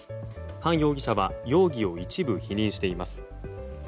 ハン容疑者は容疑を一部否認しています。